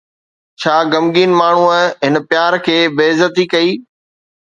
ڇا غمگين ماڻهوءَ هن پيار کي بي عزتي ڪئي؟